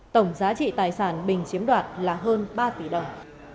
tổng giá trị tài sản bình chiếm đoạt là hơn ba tỷ đồng